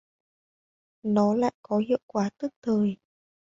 Nó lại có hiệu quả tức thời